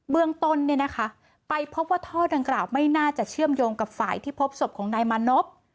เมืองต้นไปพบว่าท่อดังกล่าวไม่น่าจะเชื่อมโยงกับฝ่ายที่พบศพของนายมานพ